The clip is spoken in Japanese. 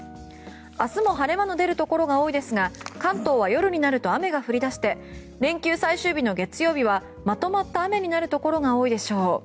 明日も晴れ間の出るところが多いですが関東は夜になると雨が降り出して連休最終日の月曜日はまとまった雨になるところが多いでしょう。